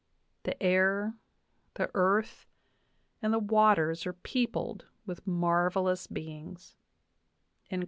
The air, the earth, and the waters are peopled with marvelous beings."